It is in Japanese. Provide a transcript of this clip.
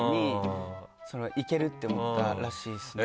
「いける」って思ったらしいですね。